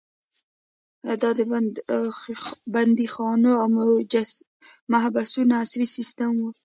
دا د بندیخانو او محبسونو عصري سیستم و.